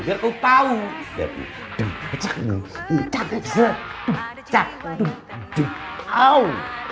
biar kau tau